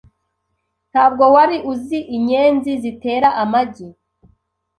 Ntabwo wari uzi inyenzi zitera amagi?